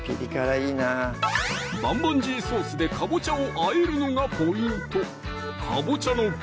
棒々鶏ソースでかぼちゃをあえるのがポイント